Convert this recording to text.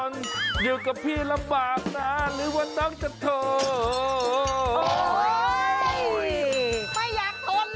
ไม่อยากทน